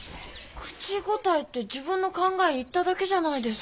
口答えって自分の考え言っただけじゃないですか。